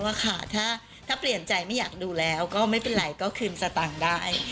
ว่าค่ะถ้าเปลี่ยนใจไม่อยากดูแล้วก็ไม่เป็นไรก็คืนสตางค์ได้